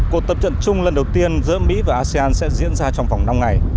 cuộc tập trận chung lần đầu tiên giữa mỹ và asean sẽ diễn ra trong vòng năm ngày